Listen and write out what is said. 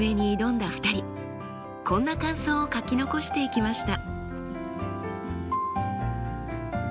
こんな感想を書き残していきました。